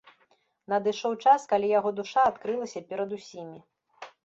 Надышоў час, калі яго душа адкрылася перад усімі.